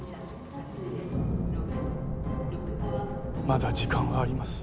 まだ時間はあります。